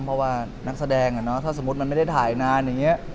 เพราะว่านักแสดงถ้าสมมุติมันไม่ได้ถ่ายนานอย่างนี้